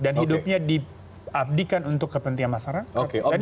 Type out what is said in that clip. dan hidupnya diabdikan untuk kepentingan masyarakat